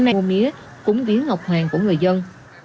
hôm nay mua mía cúng vía ngọc hoàng của người dân